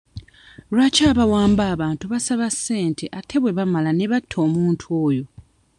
Lwaki abawamba abantu basaba ssente ate bwe bamala ne batta omuntu oyo?